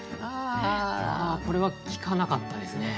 これは効かなかったですね。